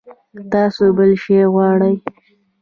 تاسو بل شی غواړئ؟